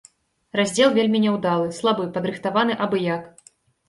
Раздзел вельмі няўдалы, слабы, падрыхтаваны абы як.